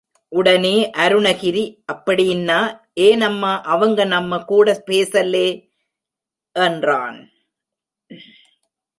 உடனே அருணகிரி அப்படீன்னா ஏன் அம்மா அவங்க நம்ம கூட பேசல்லே? என்றான்.